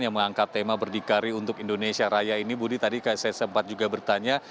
yang mengangkat tema berdikari untuk indonesia raya ini budi tadi saya sempat juga bertanya